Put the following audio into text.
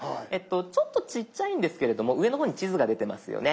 ちょっとちっちゃいんですけれども上の方に地図が出てますよね。